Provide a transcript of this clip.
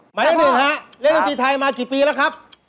หมายเลขหนึ่งฮะเล่นดนตรีไทยมากี่ปีแล้วครับ